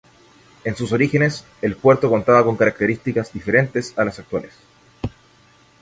En sus orígenes, el puerto contaba con características diferentes a las actuales.